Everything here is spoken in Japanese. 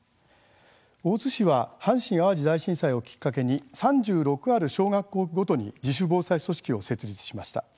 大津市は阪神・淡路大震災をきっかけに３６ある小学校区ごとに自主防災組織を設立しました。